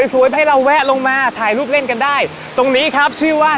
ครับคุณผู้ชม